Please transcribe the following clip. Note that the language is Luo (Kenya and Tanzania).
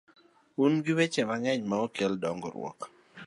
Un gi weche mang’eny ma ok kel dongruok